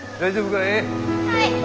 はい！